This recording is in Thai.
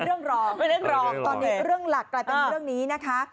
รองเรื่องรองตอนนี้เรื่องหลักกลายเป็นเรื่องนี้นะคะ